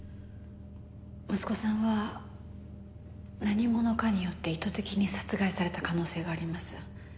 息子さんは何者かによって意図的に殺害された可能性があります。